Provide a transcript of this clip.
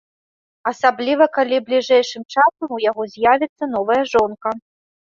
Асабліва, калі бліжэйшым часам у яго з'явіцца новая жонка.